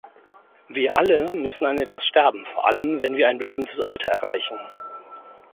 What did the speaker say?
Wir alle müssen an etwas sterben, vor allem, wenn wir ein bestimmtes Alter erreichen.